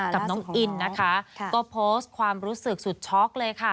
กับน้องอินนะคะก็โพสต์ความรู้สึกสุดช็อกเลยค่ะ